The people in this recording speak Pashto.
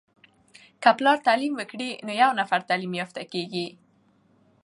که پلار تعليم وکړی نو یو نفر تعليم يافته کیږي.